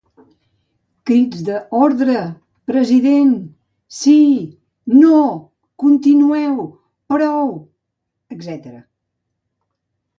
Crits d'"Ordre!", "President!", "Sí!", "No!", "Continueu!", "Prou!", etc.